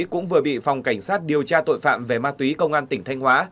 cũng vừa bị phòng cảnh sát điều tra tội phạm về ma túy công an tỉnh thanh hóa